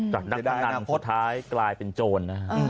นักพนันสุดท้ายกลายเป็นโจรนะฮะ